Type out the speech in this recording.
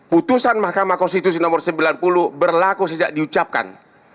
putusan mahkamah konstitusi nomor sembilan puluh berlaku sejak diucapkan